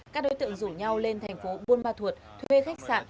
các đối tượng rủ nhau lên tp bun ma thuột thuê khách sạn